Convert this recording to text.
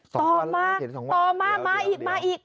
ต่อมาต่อมามาอีกมาอีก